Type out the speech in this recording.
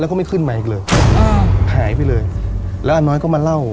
แล้วก็ไม่ขึ้นมาอีกเลยอ่าหายไปเลยแล้วอาน้อยก็มาเล่า